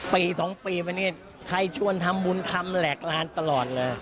ปี๒ปีมานี่ใครชวนทำบุญทำแหลกลานตลอดเลย